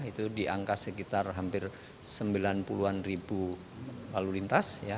itu di angka sekitar hampir sembilan puluh an ribu lalu lintas